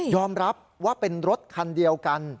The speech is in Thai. รับว่าเป็นรถคันเดียวกัน